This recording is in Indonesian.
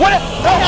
aduh itu apaan tuh